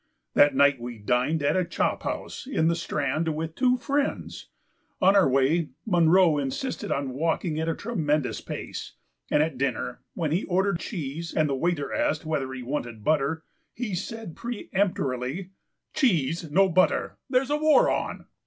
That night we dined at a chop house in the Strand with two friends. On our way Munro insisted on walking at a tremendous pace, and at dinner, when he ordered cheese and the waiter asked whether he wanted butter, he said peremptorily: "Cheese, no butter; there's a war on."